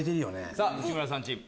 さぁ内村さんチーム。